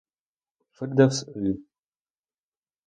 Фирдевс И.